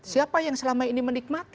siapa yang selama ini menikmati